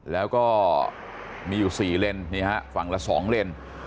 แล้วก็มีอยู่สี่เล่นฝั่งละสองเล่น